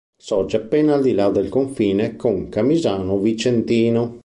Sorge appena al di là del confine con Camisano Vicentino.